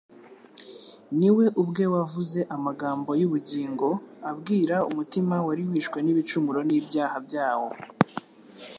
ni we ubwe wavuze amagambo y'ubugingo, abwira umutima wari wishwe n'ibicumuro n'ibyaha byawo.